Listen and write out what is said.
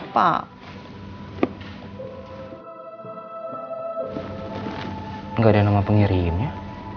gak ada nama pengirinya